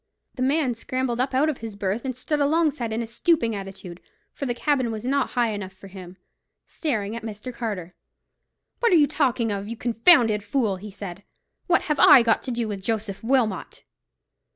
The man scrambled up out of his berth, and stood in a stooping attitude, for the cabin was not high enough for him, staring at Mr. Carter. "What are you talking of, you confounded fool!" he said. "What have I got to do with Joseph Wilmot?"